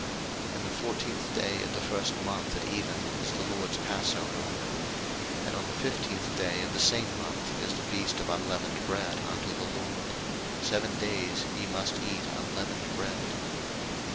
03:023:005 In the fourteenth day of the first month at even is the LORD's passover. 03:023:006 And on the fifteenth day of the same month is the feast of unleavened bread unto the LORD: seven days ye must eat unleavened bread.